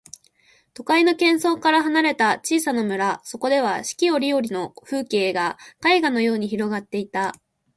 都会の喧騒から離れた小さな村、そこでは四季折々の風景が絵画のように広がっていた。